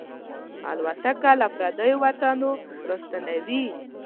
الوتکه له پردیو وطنونو راستنوي.